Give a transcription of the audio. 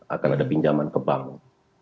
akan ada pinjaman ke bank